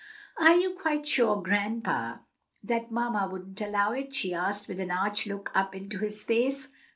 "Are you quite sure, grandpa, that mamma wouldn't allow it?" she asked, with an arch look up into his face.